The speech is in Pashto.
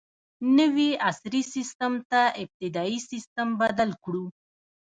نوي عصري سیسټم ته ابتدايي سیسټم بدل کړو.